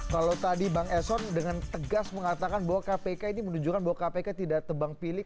kalau tadi bang eson dengan tegas mengatakan bahwa kpk ini menunjukkan bahwa kpk tidak tebang pilih